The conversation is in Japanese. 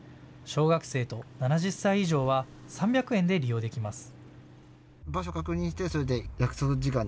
小学生と７０歳以上は３００円で利用できます。